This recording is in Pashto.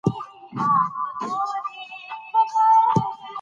مېوې د افغانانو لپاره په معنوي لحاظ ارزښت لري.